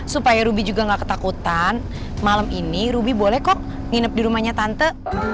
supaya ruby juga gak ketakutan malam ini ruby boleh kok nginep di rumahnya tante